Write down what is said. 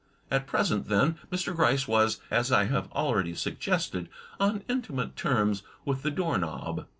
At present, then, Mr. Gryce was, as I have already suggested, on intimate terms with the door knob.